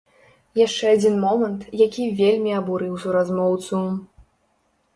Яшчэ адзін момант, які вельмі абурыў суразмоўцу.